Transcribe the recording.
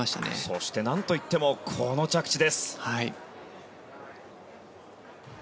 そして、何といってもこの着地です。